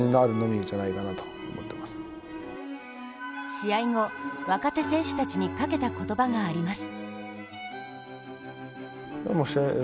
試合後、若手選手たちにかけた言葉があります。